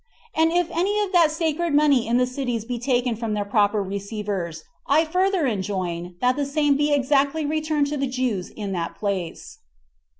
And if any of that sacred money in the cities be taken from their proper receivers, I further enjoin, that the same be exactly returned to the Jews in that place."